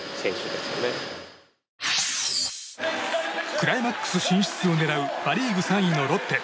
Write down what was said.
クライマックス進出を狙うパ・リーグ３位、ロッテ。